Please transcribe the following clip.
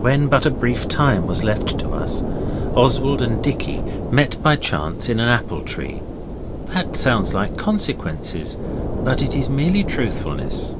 When but a brief time was left to us, Oswald and Dicky met by chance in an apple tree. (That sounds like 'consequences', but it is mere truthfulness.)